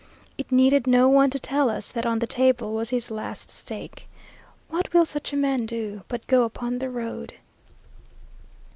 It needed no one to tell us that on the table was his last stake. What will such a man do but go upon the road?